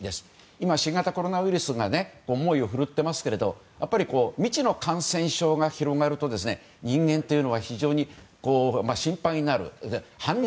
今、新型コロナウイルスが猛威を振るっていますけどやっぱり未知の感染症が広がると人間というのは非常に心配になって犯人